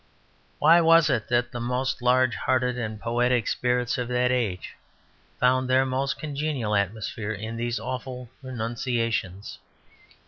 Why was it that the most large hearted and poetic spirits in that age found their most congenial atmosphere in these awful renunciations?